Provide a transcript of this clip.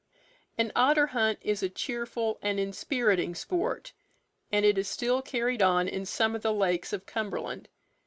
An otter hunt is a cheerful and inspiriting sport, and it is still carried on in some of the lakes of Cumberland.